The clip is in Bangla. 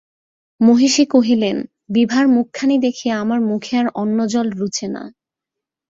মহিষী কহিলেন, বিভার মুখখানি দেখিয়া আমার মুখে আর অন্নজল রুচে না।